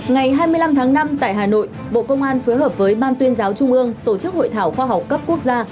ngày hai mươi năm tháng năm tại hà nội bộ công an phối hợp với ban tuyên giáo trung ương tổ chức hội thảo khoa học cấp quốc gia